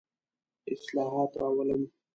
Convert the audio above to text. اصلاحات راولم.